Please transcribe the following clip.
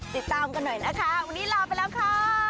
ติดตามกันหน่อยนะคะวันนี้ลาไปแล้วค่ะ